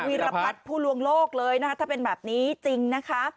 วิรพัฒน์ผู้ลวงโลกเลยนะคะถ้าเป็นแบบนี้จริงนะคะ